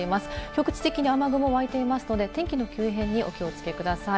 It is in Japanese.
局地的に雨雲が湧いていますので天気の急変にお気をつけください。